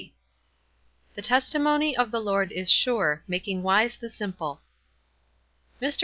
The testimony of the Lord is sure, making wise the simple." Mr.